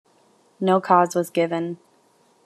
No cause was given.